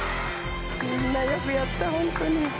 みんなよくやった、本当に。